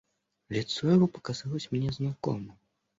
Лицо его показалось мне знакомо.